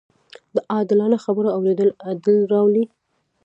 د عادلانه خبرو اورېدل عدل راولي